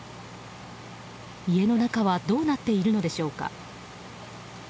家の中はどうなっているのでしょうか。